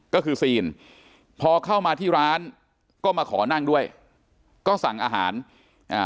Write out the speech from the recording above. ก็คือซีนพอเข้ามาที่ร้านก็มาขอนั่งด้วยก็สั่งอาหารอ่า